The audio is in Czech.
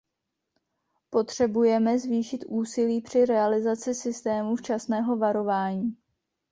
Potřebujeme zvýšit úsilí při realizaci systémů včasného varování.